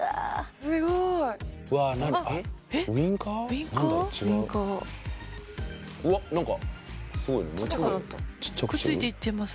すごいね。